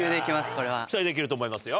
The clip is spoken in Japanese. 期待できると思いますよ。